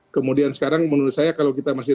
kemudian sekarang menurut saya kalau kita masih